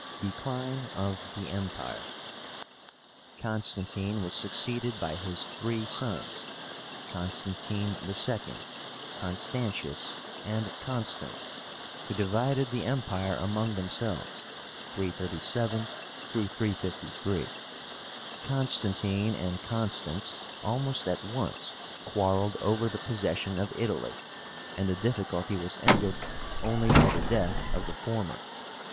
DECLINE OF THE EMPIRE. Constantine was succeeded by his three sons, CONSTANTINE II., CONSTANTIUS, and CONSTANS, who divided the Empire among themselves (337 353). Constantine and Constans almost at once quarrelled over the possession of Italy, and the difficulty was ended only by the death of the former.